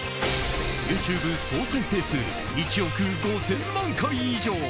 ＹｏｕＴｕｂｅ総再生数１億５０００万回以上。